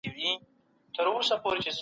انسانیت شریک ارزښت دی.